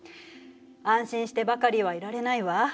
安心してばかりはいられないわ。